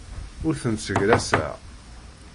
Ur tent-ssegraseɣ.